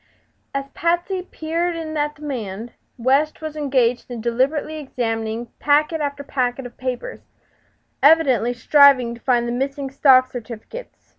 As Patsy peered in at the man West was engaged in deliberately examining packet after packet of papers, evidently striving to find the missing stock certificates.